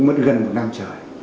mất gần một năm trời